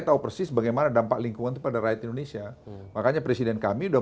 tahu persis bagaimana dampak lingkungan itu pada rakyat indonesia makanya presiden kami sudah